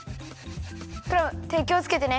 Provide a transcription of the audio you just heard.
クラムてきをつけてね。